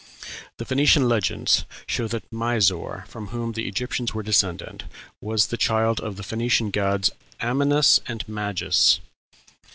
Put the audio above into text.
The Phoenician legends show that Misor, from whom the Egyptians were descended, was the child of the Phoenician gods Amynus and Magus.